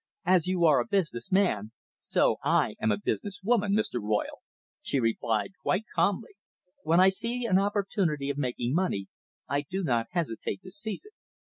"As you are a business man, so I am a business woman, Mr. Royle," she replied quite calmly. "When I see an opportunity of making money, I do not hesitate to seize it."